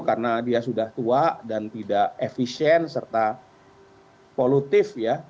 karena dia sudah tua dan tidak efisien serta polutif ya